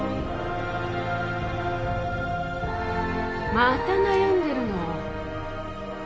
・また悩んでるの？